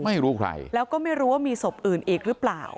ไม่รู้ใครแล้วก็ไม่รู้ว่ามีศพอื่นอีกหรือเปล่า